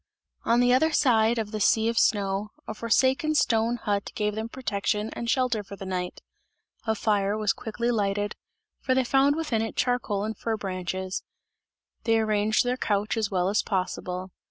On the other side of the sea of snow, a forsaken stone hut gave them protection and shelter for the night; a fire was quickly lighted, for they found within it charcoal and fir branches; they arranged their couch as well as possible.